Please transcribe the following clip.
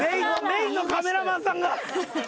メインのカメラマンさんが。